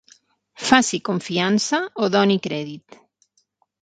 Faci confiança o doni crèdit.